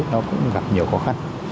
nó cũng gặp nhiều khó khăn